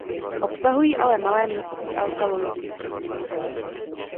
Obsahují ale malé množství alkaloidů.